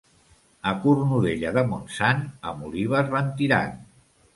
A Cornudella de Montsant amb olives van tirant.